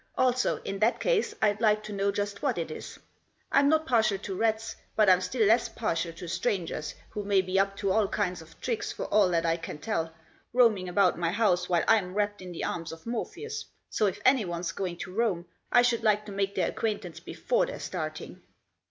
Also, in that case, Fd like to know just what it is. Fm not partial to rats, but Fm still less partial to strangers, who may be up to all kinds of tricks for all that I can tell, roaming about my house while Fm wrapped in the arms of Morpheus, so if anyone's going to roam I should like to make their acquaintance before they're starting."